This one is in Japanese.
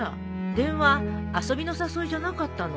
電話遊びの誘いじゃなかったの？